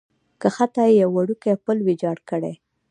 کښته یې یو وړوکی پل ویجاړ کړی.